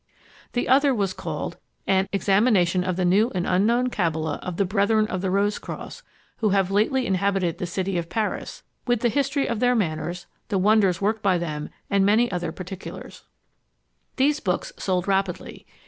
The other was called an _Examination of the new and unknown Cabala of the Brethren of the Rose cross, who have lately inhabited the City of Paris; with the History of their Manners, the Wonders worked by them, and many other particulars_. These books sold rapidly.